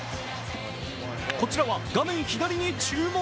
こちらは画面左に注目。